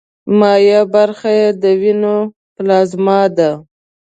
مایع برخه یې د ویني پلازما ده.